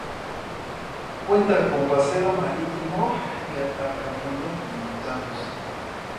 Cuenta con paseo marítimo y aparcamientos delimitados.